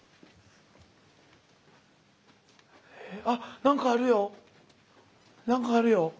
あっ何かあるよ。